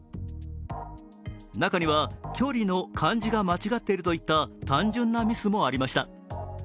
中には、「距離」の漢字が間違っているといった単純なミスもありました。